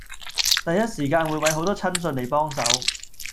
第一時間會搵好多親信嚟幫手